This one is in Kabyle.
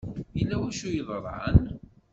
Yella wacu i d-yeḍran.